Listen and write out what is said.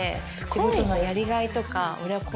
仕事のやりがいとか。